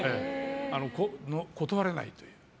断れないという。